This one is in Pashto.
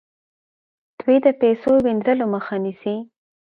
دوی د پیسو وینځلو مخه نیسي.